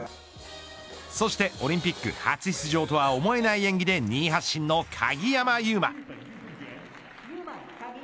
そしてオリンピック初出場とは思えない演技で２位発進の鍵山優真。